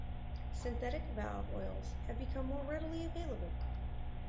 Synthetic valve oils have become more readily available.